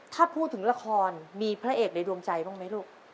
ถ้าพูดถึงละครมีพระเอกในดวงใจบ้างไหมลูก